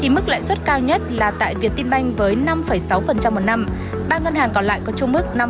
mức lãi suất cao nhất là tại việt tinh bank với năm sáu một năm ba ngân hàng còn lại có chung mức năm năm một năm